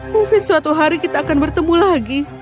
mungkin suatu hari kita akan bertemu lagi